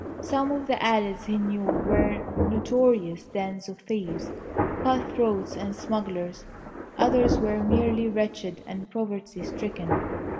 Some of the alleys, he knew, were notorious dens of thieves, cut throats, and smugglers; others were merely wretched and poverty stricken.